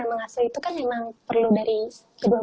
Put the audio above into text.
mengasuh itu kan memang perlu dari kedua